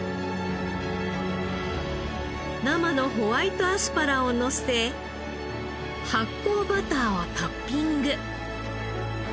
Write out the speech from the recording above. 生のホワイトアスパラをのせ発酵バターをトッピング。